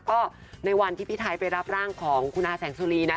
ก็ในวันที่พี่ไทยไปรับร่างของคุณอาแสงสุรีนะ